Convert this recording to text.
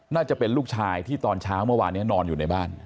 น่าจะเป็นลูกชายที่ตอนเช้าเมื่อวานนี้นอนอยู่ในบ้าน